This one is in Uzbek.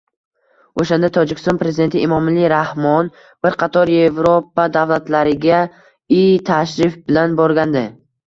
O'shanda Tojikiston Prezidenti Imomali Rahmon bir qator Evropa davlatlariga iy tashrif bilan borgandi